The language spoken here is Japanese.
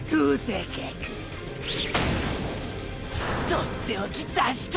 とっておき出した！！